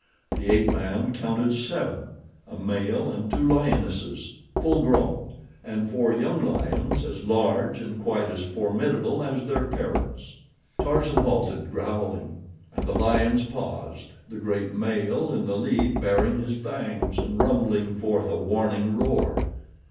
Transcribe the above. The ape man counted seven—a male and two lionesses, full grown, and four young lions as large and quite as formidable as their parents. Tarzan halted, growling, and the lions paused, the great male in the lead baring his fangs and rumbling forth a warning roar.